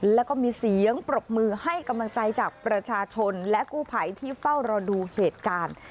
แล้วก็มีเสียงปรบมือให้กำลังใจจากประชาชนและกู้ภัยที่เฝ้ารอดูเหตุการณ์